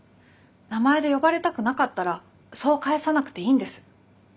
名前で呼ばれたくなかったらそう返さなくていいんです。